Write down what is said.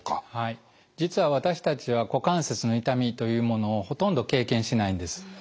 実は私たちは股関節の痛みというものをほとんど経験しないんです。